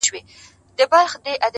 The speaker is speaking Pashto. هغه خو ټوله ژوند تاته درکړی وو په مينه_